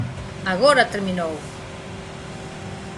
¡Agora terminou!